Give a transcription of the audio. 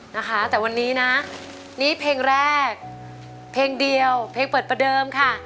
นะคะแต่วันนี้นะนี่เพลงแรกเพลงเดียวเพลงเปิดประเดิมค่ะ